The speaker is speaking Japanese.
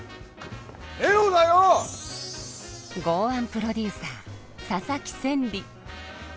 豪腕プロデューサー佐々木千里。